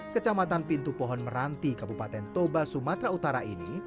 kecamatan pintu pohon meranti kabupaten toba sumatera utara ini